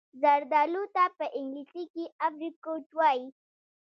زردالو ته په انګلیسي Apricot وايي.